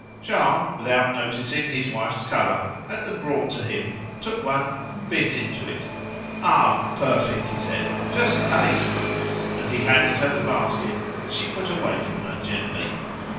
Charles, without noticing his wife's colour, had them brought to him, took one, and bit into it. "Ah! perfect!" said he; "just taste!" And he handed her the basket, which she put away from her gently.